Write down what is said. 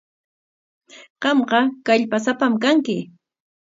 Qamqa kallpasapam kanki.